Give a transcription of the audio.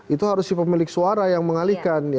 itu harus si pemilik suara yang mengalihkan